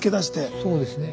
そうですね。